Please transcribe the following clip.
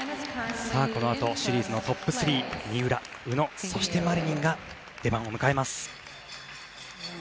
このあと、シリーズのトップ３三浦、宇野、マリニンが出番を迎えます。